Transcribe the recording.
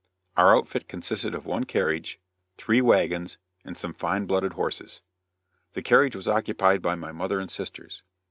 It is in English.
Our outfit consisted of one carriage, three wagons and some fine blooded horses. The carriage was occupied by my mother and sisters.